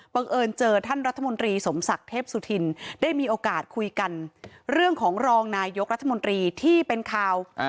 เอิญเจอท่านรัฐมนตรีสมศักดิ์เทพสุธินได้มีโอกาสคุยกันเรื่องของรองนายกรัฐมนตรีที่เป็นข่าว